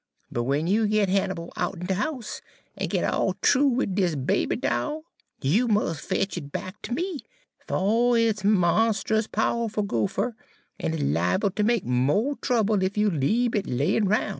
But w'en you git Hannibal out'n de house, en git all th'oo wid dis baby doll, you mus' fetch it back ter me, fer it's monst'us powerful goopher, en is liable ter make mo' trouble ef you leabe it layin' roun'.'